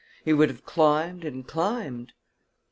He would have climbed and climbed."